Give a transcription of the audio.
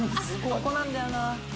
ここなんだよな。